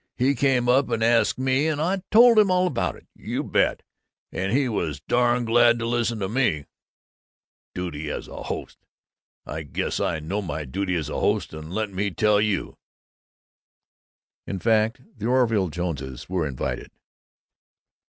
He came up and asked me, and I told him all about it! You bet! And he was darn glad to listen to me and Duty as a host! I guess I know my duty as a host and let me tell you " In fact, the Orville Joneses were invited.